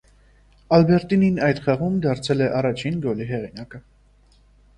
Ալբերտինին այդ խաղում դարձել է առաջին գոլի հեղինակը։